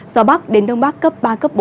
gió bắc đến đông bắc cấp ba bốn